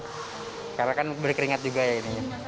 karena kan berkeringat juga ya ini